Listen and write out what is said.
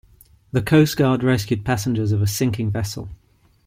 The coast guard rescued passengers of a sinking vessel.